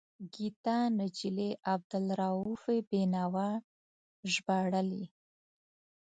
ګیتا نجلي عبدالرؤف بینوا ژباړلی.